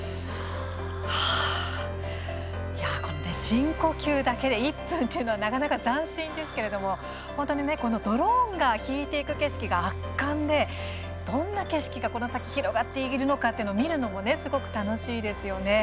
深呼吸だけで１分とは斬新ですけれどもドローンの引いていく景色が圧巻で、どんな景色がこの先広がっているのかというのを見るのも楽しいですよね。